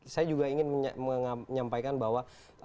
saya juga ingin menyampaikan bahwa